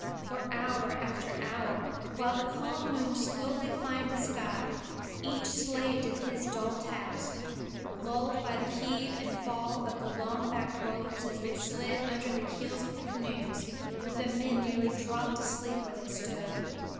For hour after hour, while the calm moon slowly climbed the sky, each slaved at his dull task. Lulled by the heave and fall of the long backed rollers as they slid under the keels of the canoes, the men nearly dropped asleep where they stood.